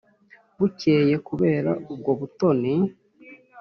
bukeye kubera ubwo butoni,